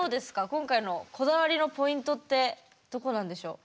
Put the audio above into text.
今回のこだわりのポイントってどこなんでしょう。